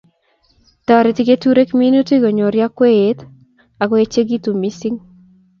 Toreti keturek minutik konyor yakwaiyet akoechikitu missing